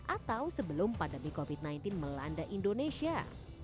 atau sebelum pandemi covid sembilan belas melanda indonesia